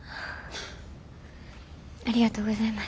ありがとうございます。